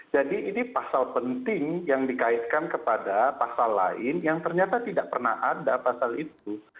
ini pasal penting yang dikaitkan kepada pasal lain yang ternyata tidak pernah ada pasal itu